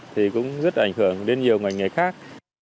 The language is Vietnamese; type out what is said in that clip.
thì cũng rất ảnh hưởng đến nhiều ngành nghề khác